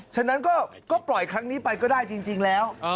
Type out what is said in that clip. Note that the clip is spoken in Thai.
ฉะนั้นก็ปล่อยครั้งนี้ไปก็ได้จริงแล้ว